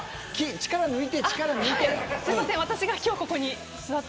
力抜いて、力抜いて。